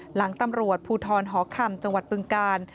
หลังตำรวจภูทรหอคำจังหวัดบึงกาล